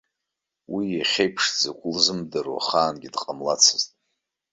Уи иахьа еиԥш дзакәу лзымдыруа ахаангьы дҟамлацызт.